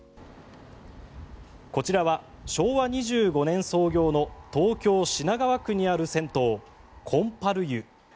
こちらは昭和２５年創業の東京・品川区にある銭湯金春湯。